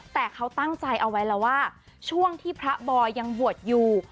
แต่เขาตั้งใจเอาไว้แล้วว่าช่วงที่พระบอยยังบวชอยู่